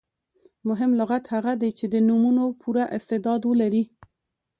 مهم لغت هغه دئ، چي د نومونو پوره استعداد ولري.